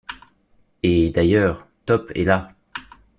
Et, d’ailleurs, Top est là!..